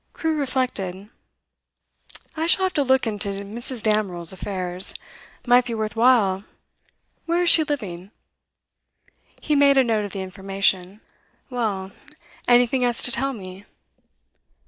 Crewe reflected. 'I shall have to look into Mrs. Damerel's affairs. Might be worth while. Where is she living?' He made a note of the information. 'Well, anything else to tell me?